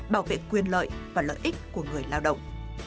bảo vệ quyền lợi và lợi ích của người lao động